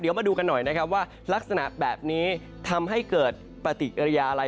เดี๋ยวมาดูกันหน่อยนะครับว่าลักษณะแบบนี้ทำให้เกิดปฏิกิริยาอะไร